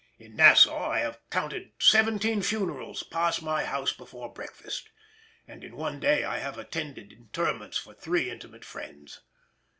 In Nassau I have counted seventeen funerals pass my house before breakfast, and in one day I have attended interments of three intimate friends.